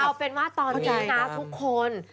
เอาเป็นว่าตอนนี้นะทุกคน